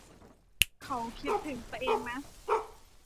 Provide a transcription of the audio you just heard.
เค้าคิดถึงตะเองนะ